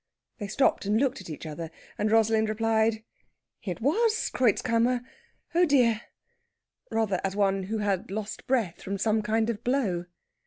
They stopped and looked at each other, and Rosalind replied, "It was Kreutzkammer. Oh dear!" rather as one who had lost breath from some kind of blow.